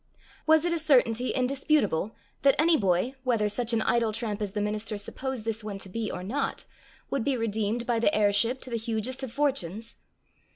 Was it a certainty indisputable, that any boy, whether such an idle tramp as the minister supposed this one to be or not, would be redeemed by the heirship to the hugest of fortunes?